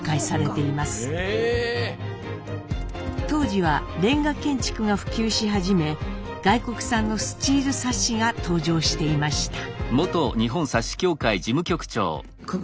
当時は煉瓦建築が普及し始め外国産のスチールサッシが登場していました。